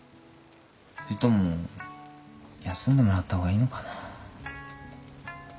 それとも休んでもらったほうがいいのかな？